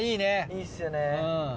いいっすよね。